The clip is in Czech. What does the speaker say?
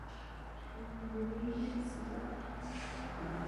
Obě možnosti jsou nepravděpodobné.